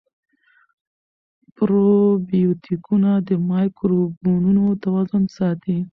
پروبیوتیکونه د مایکروبونو توازن ساتي.